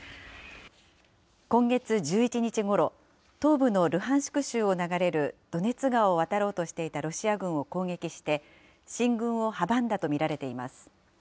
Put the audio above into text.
今月１１日ごろ、東部のルハンシク州を流れるドネツ川を渡ろうとしていたロシア軍を攻撃して、進軍を阻んだと見られています。